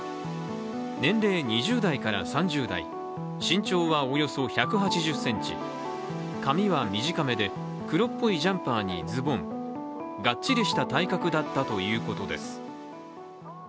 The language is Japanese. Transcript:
年齢２０３０代、身長およそ１８０ｃｍ髪は短めで、黒っぽいジャンパーにズボン、がっちりした体格だったということです。